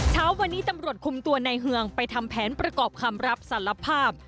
เช้าวันนี้ตำรวจคุมตัวในเฮืองไปทำแผนประกอบคำรับสารภาพ